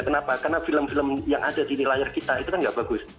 kenapa karena film film yang ada di layar kita itu kan nggak bagus